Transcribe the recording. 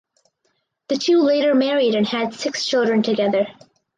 The two later married and had six children together.